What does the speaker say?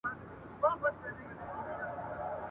چا نارې وهلې چا ورته ژړله !.